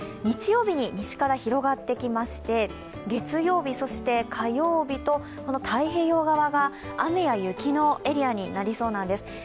日曜日に西から広がってきまして、月曜日、火曜日と太平洋側が雨や雪のエリアになりそうなんです。